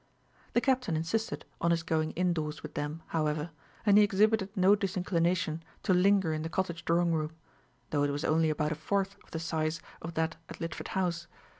The Captain insisted on his going in doors with them, however; and he exhibited no disinclination to linger in the cottage drawing room, though it was only about a fourth of the size of that at Lidford House.